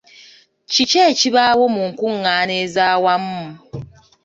Ki ekibaawo mu nkungaana ez'awamu?